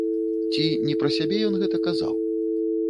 Ці не пра сябе ён гэта казаў?